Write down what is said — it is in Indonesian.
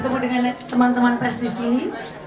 untuk waktunya sudah bertemu dengan teman teman pers disini